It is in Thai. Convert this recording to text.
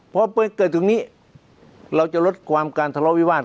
พอเกิดถึงนี้เราจะลดความการทะเลาะวิวาส